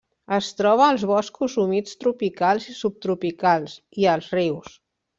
Es troba als boscos humits tropicals i subtropicals, i als rius.